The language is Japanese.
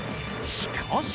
しかし。